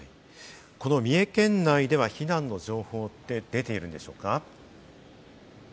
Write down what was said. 三重県内では避難の情報って出ているんでしょうか？